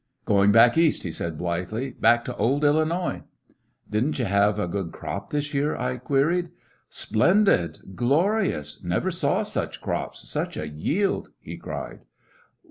"Goin' back East," he said blithely,— "back to old Illinois." "Did n't you have a good crop this yeart" I queried. "Splendid, glorious ! Never saw such crops —such a yield," he cried.